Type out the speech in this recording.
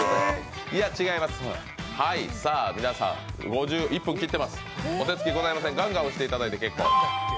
皆さん、１分切っています、お手つきございません、ガンガン押していただいて結構。